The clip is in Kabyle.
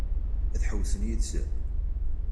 Ad ḥewwsen yid-sen?